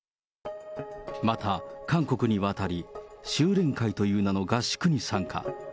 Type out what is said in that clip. また、韓国に渡り、修錬会という名の合宿に参加。